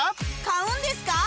買うんですか？